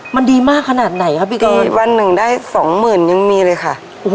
มันดีมากขนาดไหนครับพี่กีดวันหนึ่งได้สองหมื่นยังมีเลยค่ะ